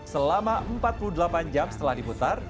selama empat puluh delapan jam setelah diputar